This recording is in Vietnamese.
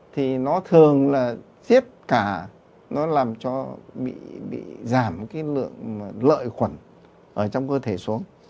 thì nó thường là giết cả nó làm cho bị giảm cái lượng lợi khuẩn ở trong cơ thể xuống